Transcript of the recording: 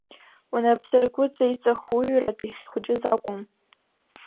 Унапсыргәыҵа иҵахуҩартә иахьхәыҷыз акәым.